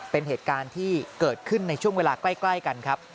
เป็นเหตุการณ์ที่เกิดขึ้นในช่วงเวลาใกล้กันครับ